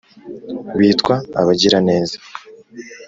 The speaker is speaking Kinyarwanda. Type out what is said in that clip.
bitwa Abagiraneza